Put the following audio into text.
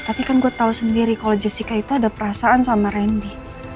tapi kan gue tahu sendiri kalau jessica itu ada perasaan sama randy